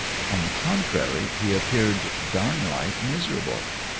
On the contrary, he appeared downright miserable.